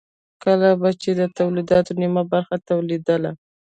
کله به چې د تولیداتو نیمه برخه تولیدېدله